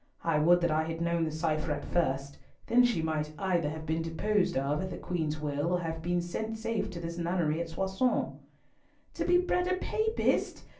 I would that I had known the cipher at first. Then she might either have been disposed of at the Queen's will, or have been sent safe to this nunnery at Soissons." "To be bred a Papist!